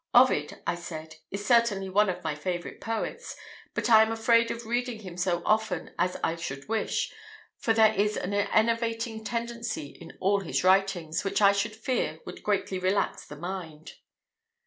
"Ovid," I said, "is certainly one of my favourite poets, but I am afraid of reading him so often as I should wish; for there is an enervating tendency in all his writings, which I should fear would greatly relax the mind."